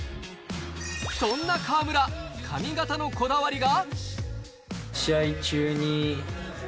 そんな河村、髪形のこだわりが。